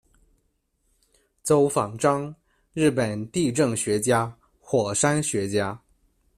诹访彰，日本地震学家、火山学家。